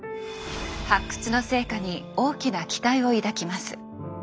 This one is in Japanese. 発掘の成果に大きな期待を抱きます。